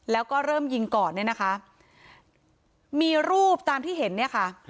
แล้วก็เริ่มยิงก่อนเนี่ยนะคะมีรูปตามที่เห็นเนี่ยค่ะ